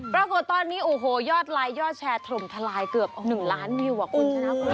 ปรากฏตอนนี้โอ้โหยอดไลค์ยอดแชร์ถล่มทลายเกือบ๑ล้านวิวอ่ะคุณชนะคุณ